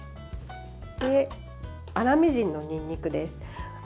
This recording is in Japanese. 粗みじんのにんにくです。